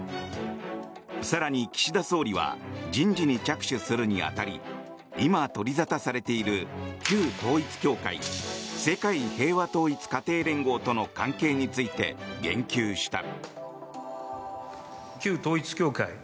更に、岸田総理は人事に着手するに当たり今取り沙汰されている旧統一教会世界平和統一家庭連合との関係について言及した。